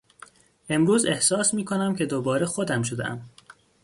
امروز احساس میکنم که دوباره خودم شدهام.